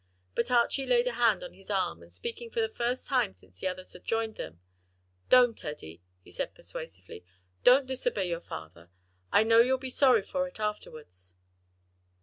But Archie laid a hand on his arm, and speaking for the first time since the others had joined them, "Don't, Eddie," he said persuasively, "don't disobey your father; I know you'll be sorry for it afterwards."